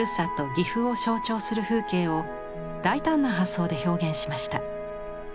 岐阜を象徴する風景を大胆な発想で表現しました。